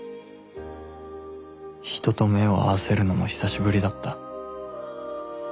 人と目を合わせるのも久しぶりだった